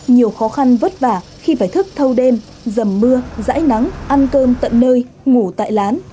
nhiều khó khăn vất vả khi phải thức thâu đêm dầm mưa dãi nắng ăn cơm tận nơi ngủ tại lán